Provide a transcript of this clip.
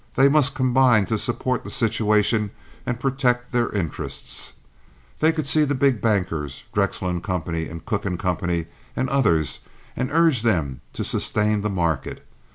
They must combine to support the situation and protect their interests. They could see the big bankers, Drexel & Co. and Cooke & Co., and others and urge them to sustain the market.